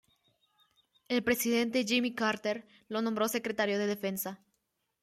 El presidente Jimmy Carter lo nombró secretario de Defensa.